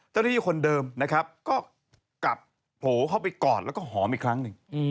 เจ้าหน้าที่คนเดิมนะครับก็กลับโผล่เข้าไปกอดแล้วก็หอมอีกครั้งหนึ่ง